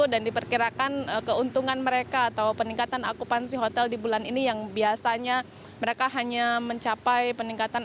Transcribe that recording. dan diperkirakan keuntungan mereka atau peningkatan akupansi hotel di bulan ini yang biasanya mereka hanya mencapai peningkatan